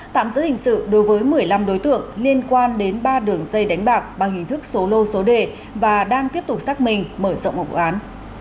tạm giữ hình sự đối với một mươi năm đối tượng liên quan đến ba đường dây đánh bạc bằng hình thức số lô số đề và đang tiếp tục xác minh mở rộng vụ án